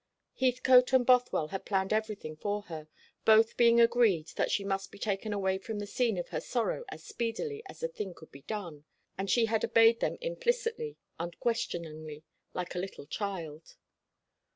Heathcote and Bothwell had planned everything for her, both being agreed that she must be taken away from the scene of her sorrow as speedily as the thing could be done; and she had obeyed them implicitly, unquestioningly, like a little child.